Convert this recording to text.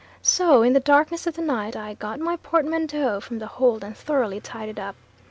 So, in the darkness of the night I got my portmanteau from the hold and thoroughly tidied up.